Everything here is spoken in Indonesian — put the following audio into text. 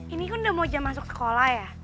ini kan udah mau jam masuk sekolah ya